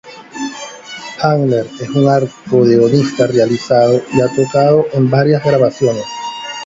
Handler es un acordeonista realizado, y ha tocado en varias grabaciones.